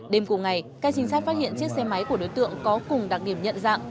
đêm cùng ngày các chính sách phát hiện chiếc xe máy của đối tượng có cùng đặc điểm nhận dạng